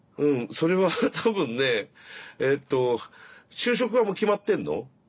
それは多分ねえと就職はもう決まってんの？